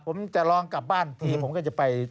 ผมจะลองกลับบ้านทีผมก็จะไป